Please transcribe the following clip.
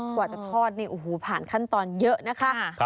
กว่าจะทอดนี่โอ้โหผ่านขั้นตอนเยอะนะคะ